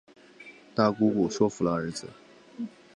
大姑姑说服儿子